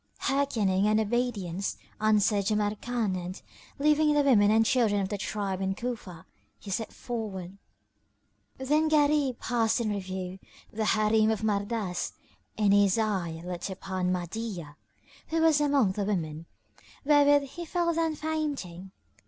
"Hearkening and obedience," answered Jamrkan and, leaving the women and children of the tribe in Cufa, he set forward. Then Gharib passed in review the Harim of Mardas and his eye lit upon Mahdiyah, who was among the women, wherewith he fell down fainting.